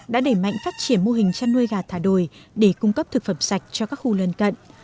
đã đẩy mạnh phát triển mô hình chăn nuôi gà thả đồi để cung cấp thực phẩm sạch cho các khu lân cận